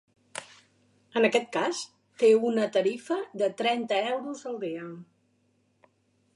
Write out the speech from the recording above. En aquest cas, té una tarifa de trenta euros al dia.